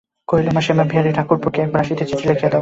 কহিল, মাসিমা, বিহারী-ঠাকুরপোকে একবার আসিতে চিঠি লিখিয়া দাও।